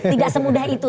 tidak semudah itu